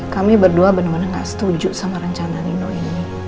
kami berdua benar benar gak setuju sama rencana nino ini